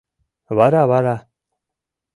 — Вара-вара...